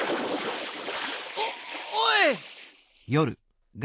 おおい！